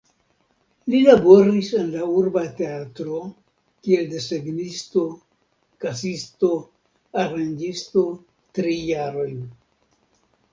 Li laboris en la urba teatro kiel desegnisto, kasisto, aranĝisto tri jarojn.